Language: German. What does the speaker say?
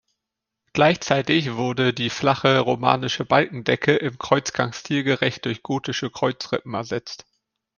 Gleichzeitig wurde die flache romanische Balkendecke im Kreuzgang stilgerecht durch gotische Kreuzrippen ersetzt.